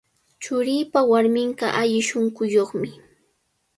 Churiipa warminqa alli shunquyuqmi.